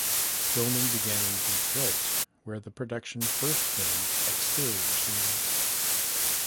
Filming began in Detroit, where the production first filmed exterior scenes.